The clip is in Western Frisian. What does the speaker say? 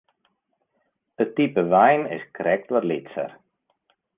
It type wein is krekt wat lytser.